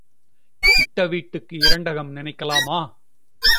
இட்ட வீட்டுக்கு இரண்டகம் நினைக்கலாமா?